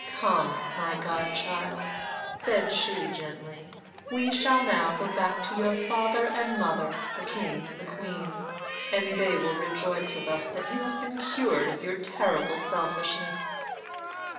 "Come, my god child," said she gently, "we shall now go back to your father and mother, the king and the queen, and they will rejoice with us that you have been cured of your terrible selfishness."